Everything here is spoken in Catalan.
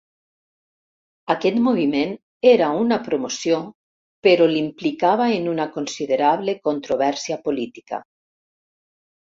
Aquest moviment era una promoció però l'implicava en una considerable controvèrsia política.